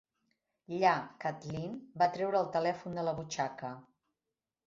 Lla Kathleen va treure el telèfon de la butxaca.